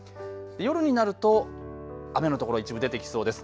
夜になると雨のところ一部出てきそうです。